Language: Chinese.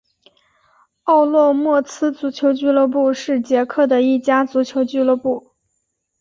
奥洛莫茨足球俱乐部是捷克的一家足球俱乐部。